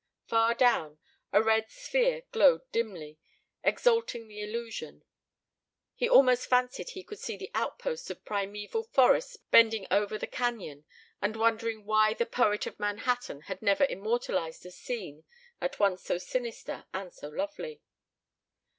Far down, a red sphere glowed dimly, exalting the illusion. He almost fancied he could see the out posts of primeval forests bending over the cañon and wondered why the "Poet of Manhattan" had never immortalized a scene at once so sinister and so lovely.